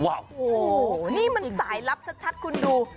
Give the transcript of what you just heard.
โอ้โหนี่มันสายลับชัดคุณดู